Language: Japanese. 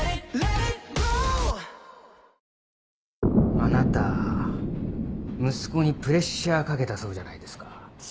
あなた息子にプレッシャーかけたそうじゃないですか。